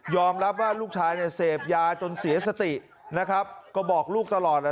รับว่าลูกชายเนี่ยเสพยาจนเสียสตินะครับก็บอกลูกตลอดนะ